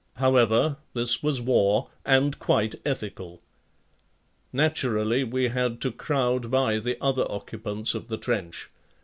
However, this was war and quite ethical. Naturally we had to crowd by the other occupants of the trench.